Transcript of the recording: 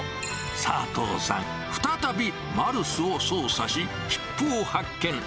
佐藤さん、再びマルスを操作し、切符を発券。